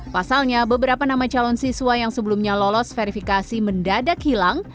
pasalnya beberapa nama calon siswa yang sebelumnya lolos verifikasi mendadak hilang